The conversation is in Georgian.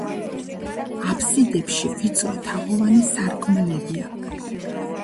აფსიდებში ვიწრო თაღოვანი სარკმლებია.